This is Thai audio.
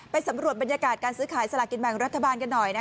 สำรวจบรรยากาศการซื้อขายสลากินแบ่งรัฐบาลกันหน่อย